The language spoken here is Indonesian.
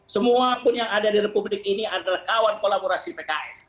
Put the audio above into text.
semua pun yang ada di republik ini adalah kawan kolaborasi pks